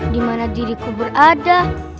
dimana diri kubur ada